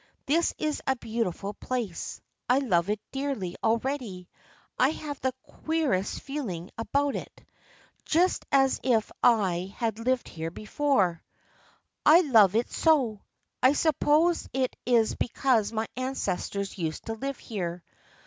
This is a beautiful place. I love it dearly already. I have the queerest feeling about it. Just as if I THE FRIENDSHIP OF ANNE 35 had lived here before. I love it so. I suppose it is because my ancestors used to live here.